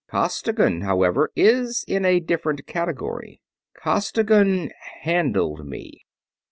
Costigan, however, is in a different category ... Costigan handled me...."